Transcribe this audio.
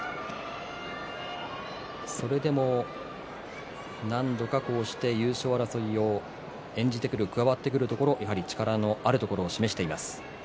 それでも何度かこうして優勝争いを演じてくる加わってくるところ力のあるところを示しています。